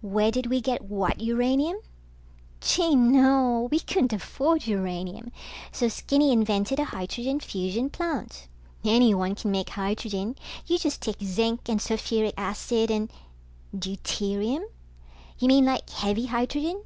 Where did we get what uranium? Gee, no, we couldn't afford uranium, so Skinny invented a hydrogen fusion plant. Anyone can make hydrogen. You just take zinc and sulfuric acid and ... Deuterium? You mean like heavy hydrogen?